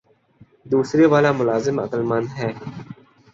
دوسرے والا ملازم عقلمند ہے